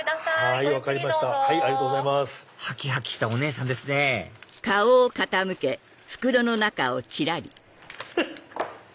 はきはきしたお姉さんですねフフっ！